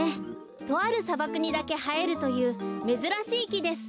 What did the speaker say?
とあるさばくにだけはえるというめずらしいきです。